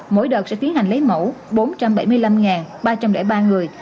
mỗi đợt sẽ tiến hành lấy mẫu bốn trăm bảy mươi năm ba trăm linh ba người